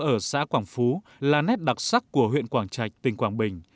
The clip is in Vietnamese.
ở xã quảng phú là nét đặc sắc của huyện quảng trạch tỉnh quảng bình